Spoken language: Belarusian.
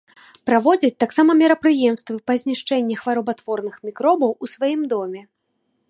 Праводзяць таксама мерапрыемствы па знішчэнні хваробатворных мікробаў у сваім доме.